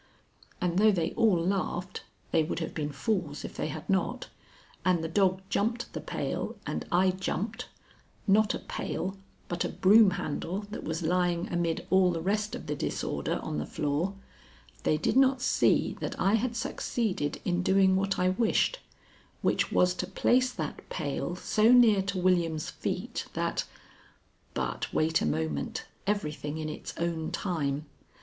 And though they all laughed they would have been fools if they had not and the dog jumped the pail and I jumped not a pail, but a broom handle that was lying amid all the rest of the disorder on the floor they did not see that I had succeeded in doing what I wished, which was to place that pail so near to William's feet that But wait a moment; everything in its own time.